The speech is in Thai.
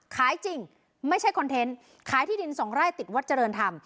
ขายจริงไม่ใช่คอนเทนต์ขายที่ดินสองไร่ติดวัดเจริญธรรม